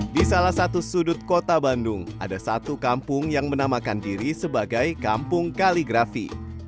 di salah satu sudut kota bandung ada satu kampung yang menamakan diri sebagai kampung kaligrafi